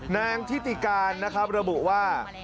นางที่ติการนะครับระบุว่า